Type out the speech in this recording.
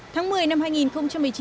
tháng một mươi năm hai nghìn một mươi chín